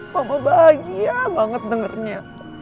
mama bahagia banget dengernya